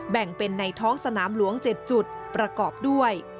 แบ่งเป็นในท้องสนามหลวง๗จุดประกอบด้วย